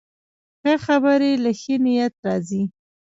ښه خبرې له ښې نیت راځي